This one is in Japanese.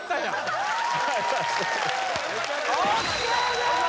ＯＫです！